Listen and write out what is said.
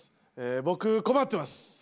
僕困ってます。